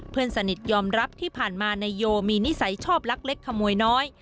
เพื่อนสนิทยอมรับที่ผ่านมานายโยมีนิสัยชอบลักเล็กขโมยน้อย